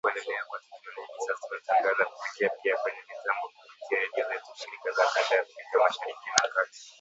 Lakini kutokana na kuendelea kwa teknolojia hivi sasa tunatangaza kupitia pia kwenye mitambo kupitia redio zetu, shirika za kanda ya Afrika Mashariki na Kati.